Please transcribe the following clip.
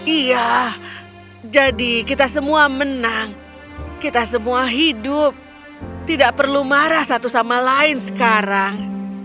iya jadi kita semua menang kita semua hidup tidak perlu marah satu sama lain sekarang